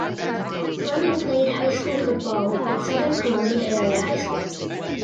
Fleming played high school football at Southern Columbia Area High School.